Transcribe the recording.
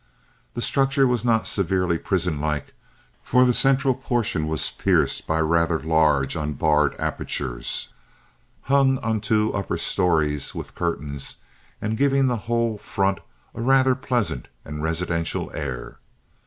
The structure was not severely prison like, for the central portion was pierced by rather large, unbarred apertures hung on the two upper stories with curtains, and giving the whole front a rather pleasant and residential air.